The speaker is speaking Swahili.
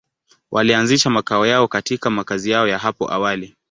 Walianzisha makao yao katika makazi yao ya hapo awali.